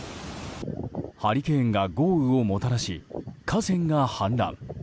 ハリケーンが豪雨をもたらし河川が氾濫。